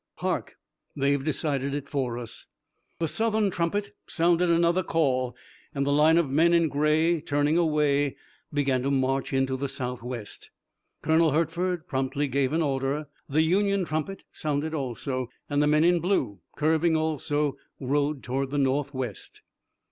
Hark, they've decided it for us!" The Southern trumpet sounded another call, and the line of men in gray, turning away, began to march into the southwest. Colonel Hertford promptly gave an order, the Union trumpet sounded also, and the men in blue, curving also, rode toward the northwest.